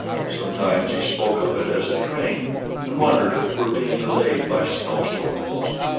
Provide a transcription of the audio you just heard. Sometimes he spoke of it as a train, and wondered if it were being delayed by snowstorms.